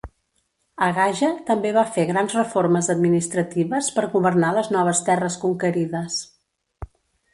Agaja també va fer grans reformes administratives per governar les noves terres conquerides.